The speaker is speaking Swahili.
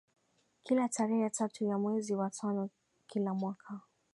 kila tarehe tatu ya mwezi wa tano kila mwaka